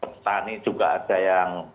petani juga ada yang